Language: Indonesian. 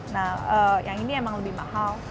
nah yang ini emang lebih mahal